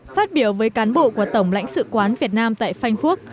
phát biểu với cán bộ của tổng lãnh sự quán việt nam tại frankok